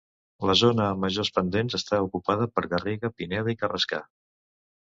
La zona amb majors pendents està ocupada per garriga, pineda i carrascar.